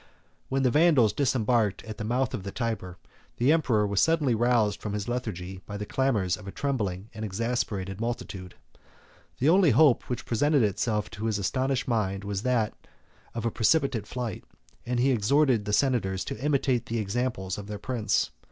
When the Vandals disembarked at the mouth of the Tyber, the emperor was suddenly roused from his lethargy by the clamors of a trembling and exasperated multitude. The only hope which presented itself to his astonished mind was that of a precipitate flight, and he exhorted the senators to imitate the example of their prince.